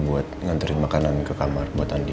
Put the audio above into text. buat nganterin makanan ke kamar buat andi